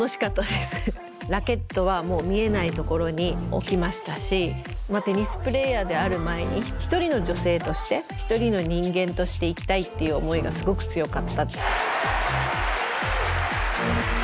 ラケットはもう見えないところに置きましたしテニスプレーヤーである前に一人の女性として一人の人間として生きたいっていう思いがすごく強かった。